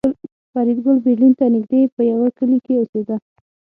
فریدګل برلین ته نږدې په یوه کلي کې اوسېده